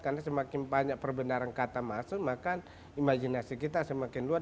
karena semakin banyak perbenaran kata masuk maka imajinasi kita semakin luar